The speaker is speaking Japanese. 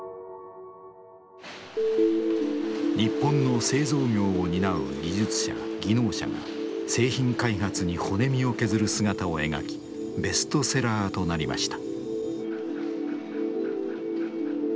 日本の製造業を担う技術者・技能者が製品開発に骨身を削る姿を描きベストセラーとなりました。